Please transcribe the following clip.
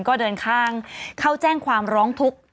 ก็เดินข้างเข้าแจ้งความร้องทุกข์